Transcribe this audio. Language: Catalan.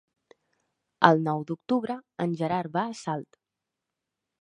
El nou d'octubre en Gerard va a Salt.